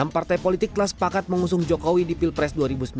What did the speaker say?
enam partai politik telah sepakat mengusung jokowi di pilpres dua ribu sembilan belas